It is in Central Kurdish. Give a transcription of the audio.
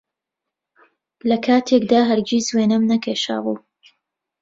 لەکاتێکدا هەرگیز وێنەم نەکێشابوو